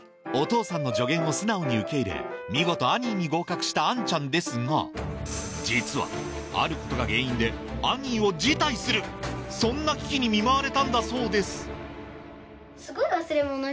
お父さんの助言を素直に受け入れ見事アニーに合格した杏ちゃんですが実はあることが原因でに見舞われたんだそうです